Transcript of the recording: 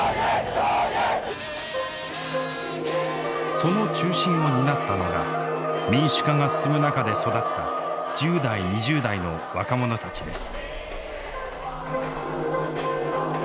その中心を担ったのが民主化が進む中で育った１０代２０代の若者たちです。